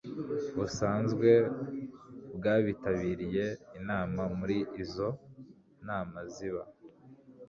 busanzwe bwabitabiriye inama muri izo nama ziba